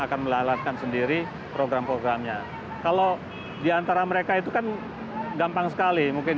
akan melalui sendiri program programnya kalau di antara mereka itu kan gampang sekali mungkin